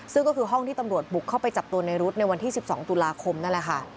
ซึ่งก็คือห้องที่ตำรวจบุกเข้าไปจับตัวในรุ๊ดในวันที่๑๒ตุลาคมนั่นแหละค่ะ